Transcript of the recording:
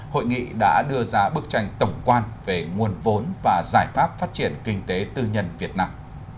hội nghị đã đưa ra bức tranh tổng quan về nguồn vốn và giải pháp phát triển kinh tế tư nhân việt nam